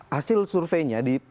hasil surveinya di perusahaan